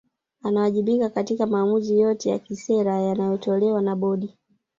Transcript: Anawajibika katika maamuzi yote ya kisera yanayotolewa na Bodi